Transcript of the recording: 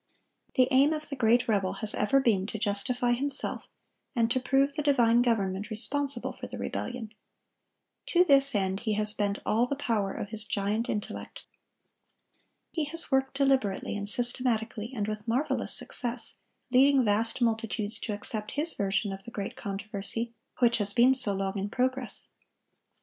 The aim of the great rebel has ever been to justify himself, and to prove the divine government responsible for the rebellion. To this end he has bent all the power of his giant intellect. He has worked deliberately and systematically, and with marvelous success, leading vast multitudes to accept his version of the great controversy which has been so long in progress.